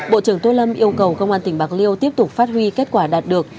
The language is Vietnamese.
bộ trưởng tô lâm yêu cầu công an tỉnh bạc liêu tiếp tục phát huy kết quả đạt được